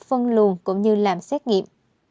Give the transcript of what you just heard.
thông luồn cũng như làm xét nghiệm